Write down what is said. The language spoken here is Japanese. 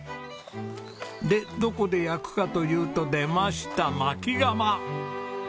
でどこで焼くかというと出ましたまき窯！